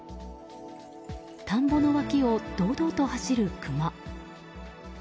田んぼの脇を堂々と走るクマ。